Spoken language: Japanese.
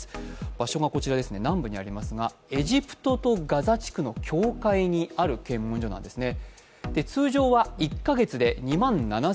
場所がこちら、南部にありますが、エジプトとガザ地区の境界にある検問所なんですね。